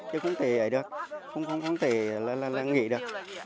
chứ không thể ấy được không không không thể là là là là nghĩ được